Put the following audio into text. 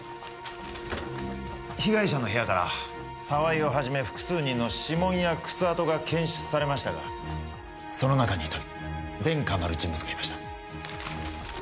被害者の部屋から澤井をはじめ複数人の指紋や靴跡が検出されましたがその中に１人前科のある人物がいました。